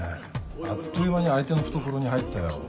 あっという間に相手の懐に入ったよ。